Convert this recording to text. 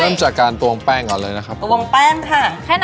เริ่มจากการตวงแป้งก่อนเลยนะครับตวงแป้งค่ะแค่นั้น